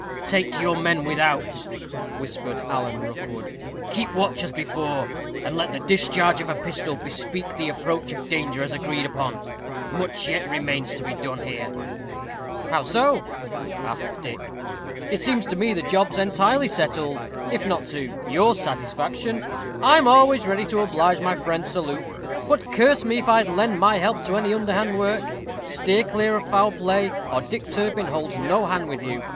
"Take your men without," whispered Alan Rookwood; "keep watch as before, and let the discharge of a pistol bespeak the approach of danger as agreed upon; much yet remains to be done here." "How so?" asked Dick; "it seems to me the job's entirely settled if not to your satisfaction. I'm always ready to oblige my friend, Sir Luke; but curse me if I'd lend my help to any underhand work. Steer clear of foul play, or Dick Turpin holds no hand with you.